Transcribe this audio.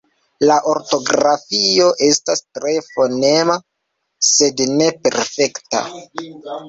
La ortografio estas tre fonema, sed ne perfekta.